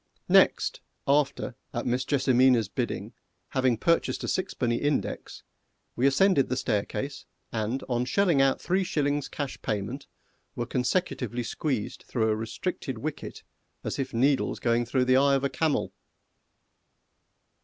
Next, after, at Miss JESSIMINA'S bidding, having purchased a sixpenny index, we ascended the staircase, and on shelling out three shillings cash payment, were consecutively squeezed through a restricted wicket as if needles going through the eye of a camel.